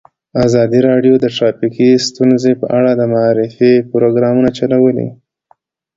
ازادي راډیو د ټرافیکي ستونزې په اړه د معارفې پروګرامونه چلولي.